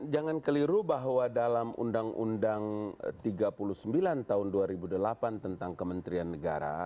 jangan keliru bahwa dalam undang undang tiga puluh sembilan tahun dua ribu delapan tentang kementerian negara